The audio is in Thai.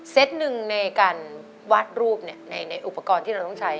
หนึ่งในการวาดรูปในอุปกรณ์ที่เราต้องใช้